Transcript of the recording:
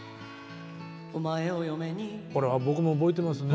これは僕も覚えてますね。